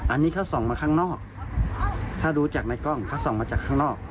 อันนี้เขาส่องมาข้างนอกถ้าดูจากในกล้องเขาส่องมาจากข้างนอก